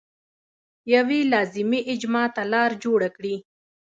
یوې لازمي اجماع ته لار جوړه کړي.